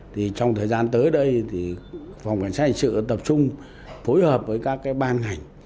thì trong thời gian tới đây phòng cảnh sát hành sự tập trung phối hợp với các ban hành